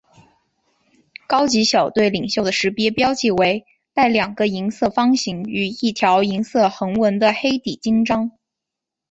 高级小队领袖的识别标记为带两个银色方形与一条银色横纹的黑底襟章。